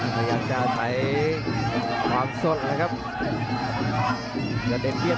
ทีมเองจะใช้ความแสดงครับ